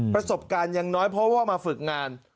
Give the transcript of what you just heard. ประสบการณ์ยังน้อยเพราะว่ามาฝึกงาน